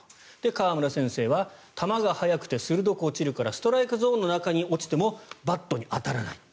川村先生は球が速くて鋭く落ちるからストライクゾーンの中に落ちてもバットに当たらない。